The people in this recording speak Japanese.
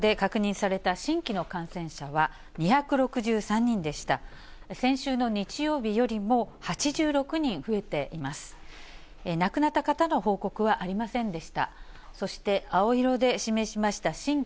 先週の日曜日よりも８６人増えています。